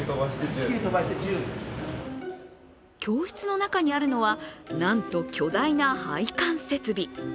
教室の中にあるのは、なんと巨大な配管設備。